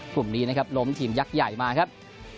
กลุ่มนี้ล้มทีมยักษ์ใหญ่มากครับ